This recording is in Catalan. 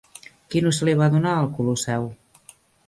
Quin ús se li va donar al Colosseu?